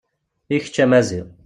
I kečč a Maziɣ.